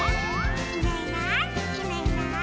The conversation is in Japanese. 「いないいないいないいない」